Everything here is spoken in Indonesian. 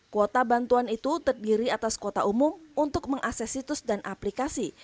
kuota bantuan itu terdiri atas kuota umum untuk mengakses situs dan aplikasi